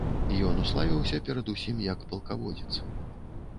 Ён уславіўся перадусім як палкаводзец.